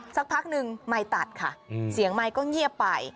สักพักหนึ่งไมค์ตัดค่ะเสียงไมค์ก็เงียบไป